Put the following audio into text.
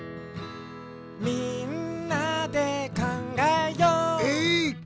「みんなでかんがえよう」エー！